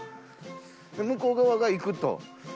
向こう側が行くと。